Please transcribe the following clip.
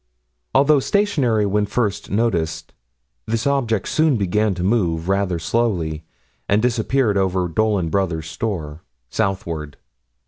Although stationary when first noticed, this object soon began to move, rather slowly, and disappeared over Dolan Brothers' store, southward.